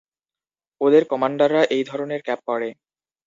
ওদের কমান্ডাররা এই ধরনের ক্যাপ পরে।